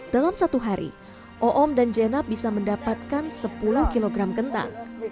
dalam satu hari oom dan jenab bisa mendapatkan sepuluh kg kentang